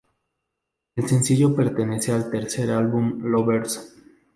El sencillo pertenece al tercer álbum "Lovers".